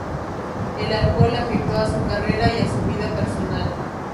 El alcohol afectó a su carrera y a su vida personal.